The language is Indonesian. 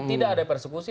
tidak ada persepusi